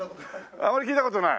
あまり聞いた事ない？